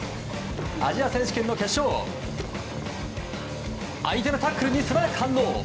アジア選手権の決勝相手のタックルに素早く反応。